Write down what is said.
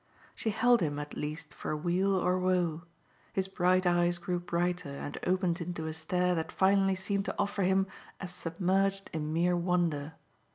She held him at least for weal or woe; his bright eyes grew brighter and opened into a stare that finally seemed to offer him as submerged in mere wonder.